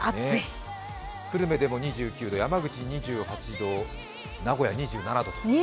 久留米でも２９度山口２８度、名古屋２７度と。